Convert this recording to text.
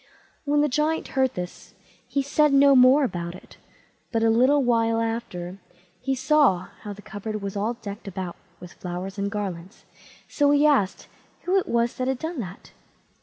When the Giant heard that, he said no more about it; but a little while after, he saw how the cupboard was all decked about with flowers and garlands; so he asked who it was that had done that?